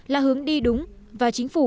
là hướng đi đúng và chính phủ